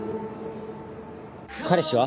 彼氏は？